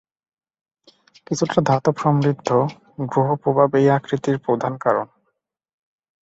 কিছুটা ধাতব সমৃদ্ধ, গ্রহ প্রভাব এই আকৃতির প্রধান কারণ।